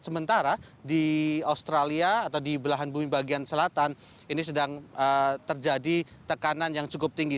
sementara di australia atau di belahan bumi bagian selatan ini sedang terjadi tekanan yang cukup tinggi